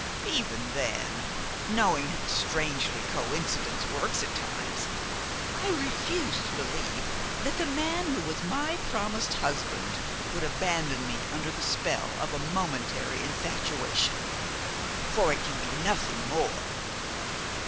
Even then, knowing how strangely coincidence works at times, I refused to believe that the man who was my promised husband would abandon me under the spell of a momentary infatuation. For it can be nothing more."